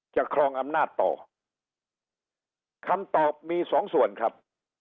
ครองอำนาจต่อคำตอบมีสองส่วนครับ